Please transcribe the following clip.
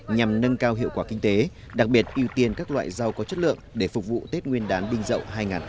nhằm nâng cao hiệu quả kinh tế đặc biệt ưu tiên các loại rau có chất lượng để phục vụ tết nguyên đán bình dậu hai nghìn hai mươi